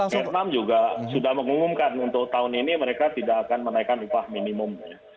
vietnam juga sudah mengumumkan untuk tahun ini mereka tidak akan menaikkan upah minimum